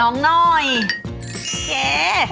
โอเค